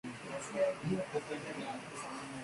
En ella se celebraban fiestas y verbenas, de ahí su nombre.